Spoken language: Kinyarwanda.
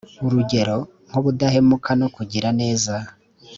urugero nk ubudahemuka no kugira neza